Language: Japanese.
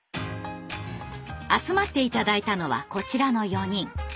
集まって頂いたのはこちらの４人。